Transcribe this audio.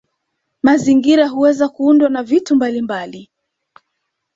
Mazingira huweza kuundwa na vitu mbalimbali